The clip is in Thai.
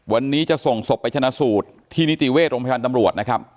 วันนี้จะส่งศพไปชนะสูตรที่นิติเวชโรงพยาบาลตำรวจนะครับ